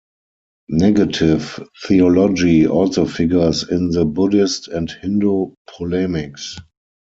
Negative theology also figures in the Buddhist and Hindu polemics.